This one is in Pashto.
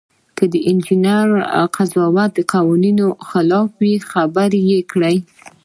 که د انجینر قضاوت د قوانینو خلاف وي خبره یې کړئ.